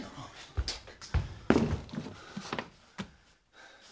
ったく。